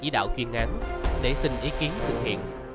đạo chuyên án để xin ý kiến thực hiện